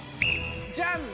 ジャンプ。